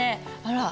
あら。